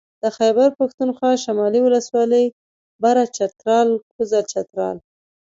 د خېبر پښتونخوا شمالي ولسوالۍ بره چترال کوزه چترال